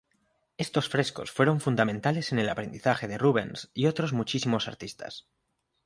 Estos frescos fueron fundamentales en el aprendizaje de Rubens y otros muchísimos artistas.